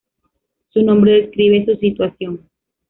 Su nombre describe su situación.